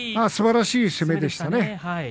すばらしい攻めでしたね。